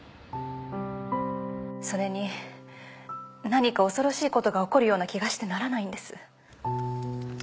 それに何か恐ろしい事が起こるような気がしてならないんです。